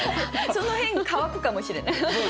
その辺乾くかもしれない。